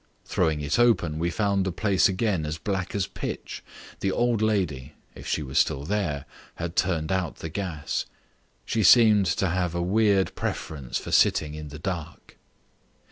Throwing it open we found the place again as black as pitch. The old lady, if she was still there, had turned out the gas: she seemed to have a weird preference for sitting in the dark.